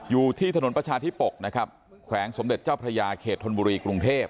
อยู่ที่ถนนประชาธิปกนะครับแขวงสมเด็จเจ้าพระยาเขตธนบุรีกรุงเทพ